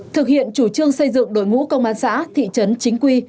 thực hiện chủ trương xây dựng đội ngũ công an xã thị trấn chính quy